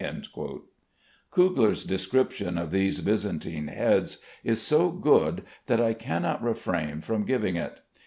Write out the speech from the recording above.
Kugler's description of these Byzantine heads is so good that I cannot refrain from giving it.